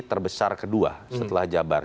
terbesar kedua setelah jabar